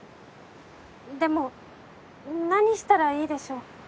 でも何したらいいでしょう？